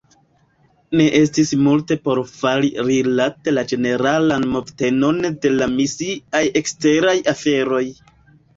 Ne estis multe por fari rilate la ĝeneralan movtenon de la misiaj eksteraj aferoj.